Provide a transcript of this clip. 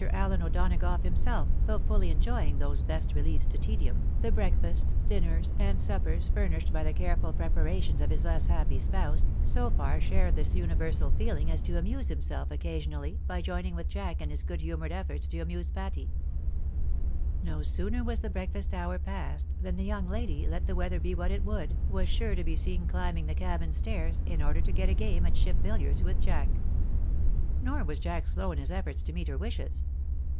Allen O'Donagough himself, though fully 50 THE WIDOW MARRIED. enjoying those best reliefs to tedium, the breakfasts, dinners, and suppers furnished by the careful preparations of his less happy spouse, so far shared this universal feeling as to amuse himself occasionally by joining with Jack in his good humoured efforts to amuse Patty. No sooner was the breakfast hour passed, than the young lady, let the weather be what it would, was sure to be seen climbing the cabin stairs, in order to get a game at ship biUiards with Jack. Nor was Jack slow in his efforts to meet her wishes.